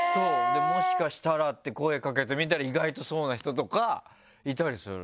もしかしたらって声かけてみたら意外とそうな人とかいたりするらしいね。